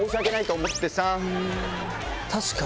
確かに。